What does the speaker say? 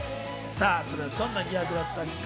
どんな疑惑だったのか。